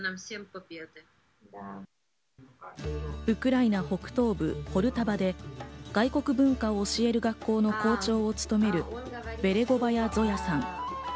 ウクライナ北東部ポルタバで外国文化を教える学校の校長を務めるベレゴヴァヤ・ゾヤさん。